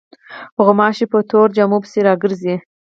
غوماشې په تورو جامو پسې راځي.